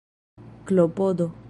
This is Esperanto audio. klopodo